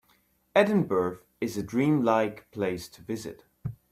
Edinburgh is a dream-like place to visit.